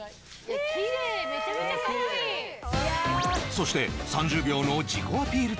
そして３０秒の自己アピール